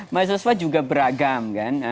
mas yusuf juga beragam